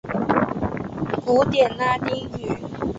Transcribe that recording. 古典拉丁语。